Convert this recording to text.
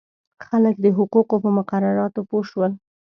خلک د حقوقو په مقرراتو پوه شول.